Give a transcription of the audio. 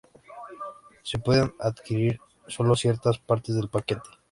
Se pueden adquirir solo ciertas partes del paquete, a menor precio.